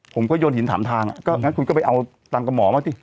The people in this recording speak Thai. ผมก็โยนหินถามทางก็งั้นคุณก็ไปเอาตังค์กับหมอมาสิ